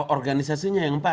organisasinya yang empat